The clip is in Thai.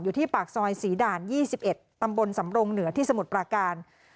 อยู่ที่ปากซอยศรีด่าน๒๑ตำบลสำรงเหนือที่สมุทรปราการ